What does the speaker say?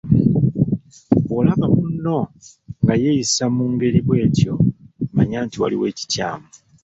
Bw'olaba munno nga yeeyisa mu ngeri bw’etyo mannya nti waliwo ekikyamu.